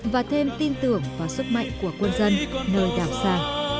và thêm tin tưởng và sức mạnh của quân dân nơi đảo xa